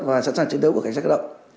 và sẵn sàng chiến đấu của cảnh sát cơ động